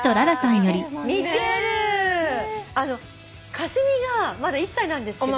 香澄がまだ１歳なんですけど。